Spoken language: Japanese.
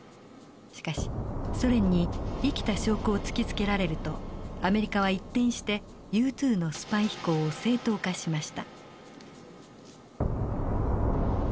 しかしソ連に生きた証拠を突きつけられるとアメリカは一転してＵ２のスパイ飛行を正当化しました。